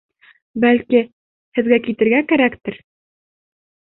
Бәлки, һеҙгә китергә кәрәктер?